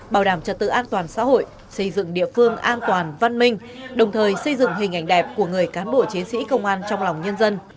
bảo đảm trật tự an toàn xã hội xây dựng địa phương an toàn văn minh đồng thời xây dựng hình ảnh đẹp của người cán bộ chiến sĩ công an trong lòng nhân dân